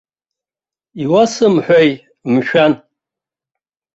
Иуасымҳәеи, мшәан!